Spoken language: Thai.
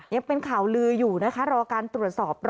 ยังเป็นข่าวลืออยู่นะคะรอการตรวจสอบ